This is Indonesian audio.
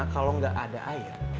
kalau gak ada air